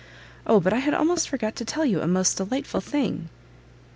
O but I had almost forgot to tell you a most delightful thing!"